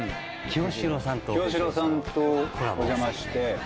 清志郎さんとお邪魔して。